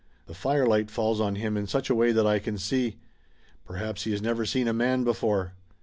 The firelight falls on him in such a way that I can see. Perhaps he has never seen a man before.